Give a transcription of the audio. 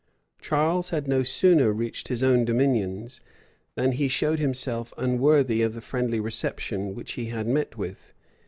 [*] Charles had no sooner reached his own dominions, than he showed himself unworthy of the friendly reception which he had met with.